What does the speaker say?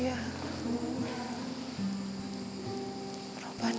ya allah tolong hati